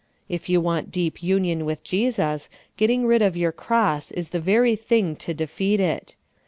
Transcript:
If 3'ou want deep union with Jesus, getting rid of 3^our cross is the very thing to defeat it.